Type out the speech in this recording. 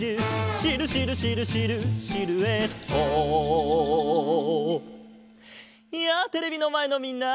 「シルシルシルシルシルエット」やあテレビのまえのみんな！